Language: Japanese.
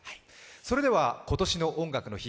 それでは、今年の「音楽の日」